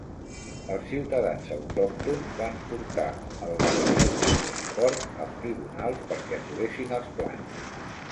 Els ciutadans autòctons van portar el Gabinet de Transport als tribunals perquè aturessin els plans.